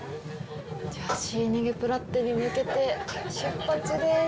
シーニゲプラッテに向けて出発です。